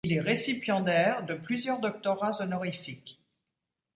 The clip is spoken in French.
Il est récipiendaire de plusieurs doctorats honorifiques.